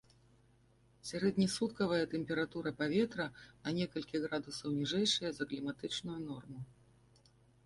Сярэднесуткавая тэмпература паветра на некалькі градусаў ніжэйшая за кліматычную норму.